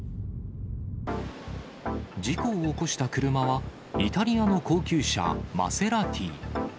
事故を起こした車は、イタリアの高級車、マセラティ。